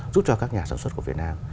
giúp cho các nhà sản xuất của việt nam